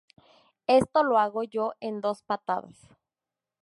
Esto lo hago yo en dos patadas